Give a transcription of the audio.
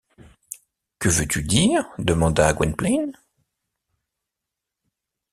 Que veux-tu dire ? demanda Gwynplaine.